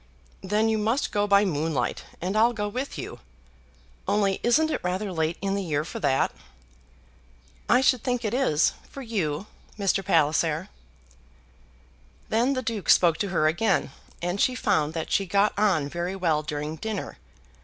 "Then you must go by moonlight, and I'll go with you. Only isn't it rather late in the year for that?" "I should think it is, for you, Mr. Palliser." Then the Duke spoke to her again, and she found that she got on very well during dinner.